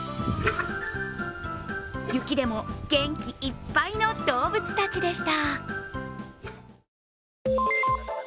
雪でも元気いっぱいの動物たちでした。